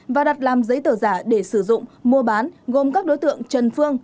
và đặt làm giấy tờ giả để sử dụng mua bán gồm các đối tượng trần phương